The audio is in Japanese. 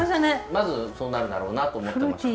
まずそうなるだろうなと思ってました。